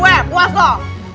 udah keras lu